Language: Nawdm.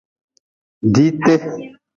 Diite.